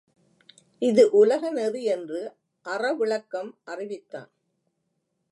இது உலகநெறி என்று அறவிளக்கம் அறிவித்தான்.